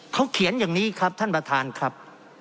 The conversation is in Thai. เขาเขียนอย่างนี้ครับท่านประธานครับ